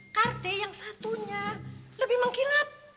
karte yang satunya lebih mengkilap